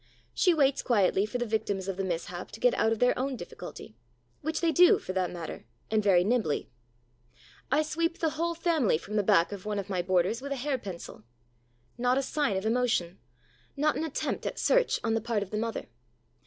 She waits quietly for the victims of the mishap to get out of their own difficulty, which they do for that matter, and very nimbly. I sweep the whole family from the back of one of my boarders with a hair pencil. Not a sign of emotion, not an attempt at search on the part of the mother.